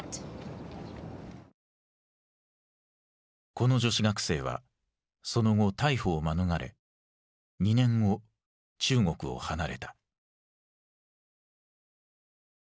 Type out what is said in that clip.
この女子学生はその後逮捕を免れ２年後中国を離れた。